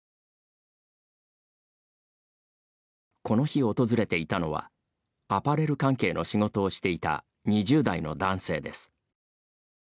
この日訪れていたのはアパレル関係の仕事をしていた２０代の男性です。